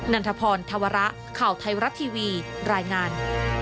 ันทพรธวระข่าวไทยรัฐทีวีรายงาน